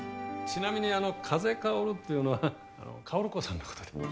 ちなみにあの「風薫る」っていうのはあの薫子さんのことで。